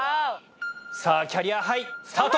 さぁキャリアハイスタート！